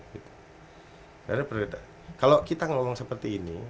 karena kalau kita ngomong seperti ini